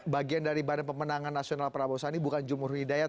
bagian dari badan pemenangan nasional prabowo sani bukan jumur hidayat